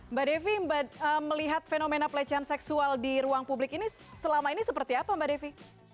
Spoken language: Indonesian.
mbak devi melihat fenomena pelecehan seksual di ruang publik ini selama ini seperti apa mbak devi